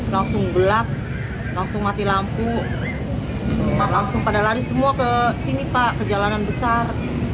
langsung gelap langsung mati lampu langsung pada lari semua ke sini pak ke jalanan besar